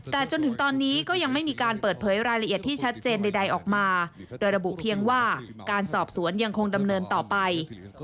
แต่จนถึงตอนนี้ก็ยังไม่มีการเปิดเผยรายละเอียดที่ชัดเจนใดออกมาโดยระบุเพียงว่าการสอบสวนยังคงดำเนินต่อไป